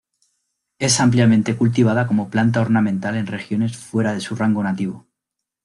Es ampliamente cultivada como planta ornamental en regiones fuera de su rango nativo.